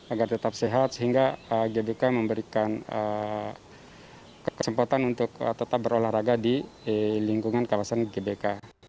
agar tetap sehat sehingga gbk memberikan kesempatan untuk tetap berolahraga di lingkungan kawasan gbk